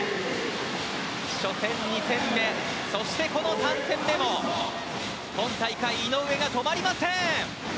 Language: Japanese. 初戦、２戦目、そして３戦目も今大会、井上が止まりません！